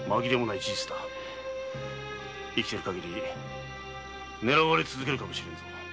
生きているかぎり狙われ続けるかもしれぬ。